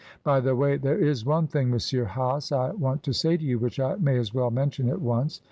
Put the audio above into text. By the way, there is one thing, M. Hase, I want to say to you, which I may as well mention at once.